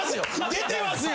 出てますよ！